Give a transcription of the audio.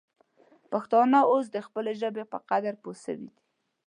پښتانه اوس د خپلې ژبې په قدر پوه سوي دي.